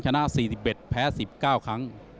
ชนะ๔๑แพ้๑๙ครั้ง